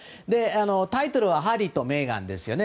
タイトルは「ハリー＆メーガン」ですね。